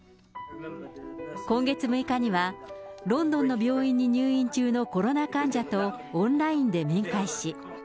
今月６日には、ロンドン病院に入院中のコロナ患者とオンラインで面会し。